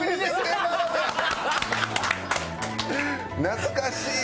懐かしい！